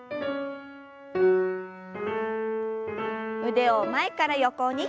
腕を前から横に。